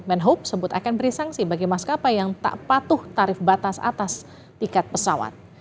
menhub sebut akan beri sanksi bagi maskapai yang tak patuh tarif batas atas tiket pesawat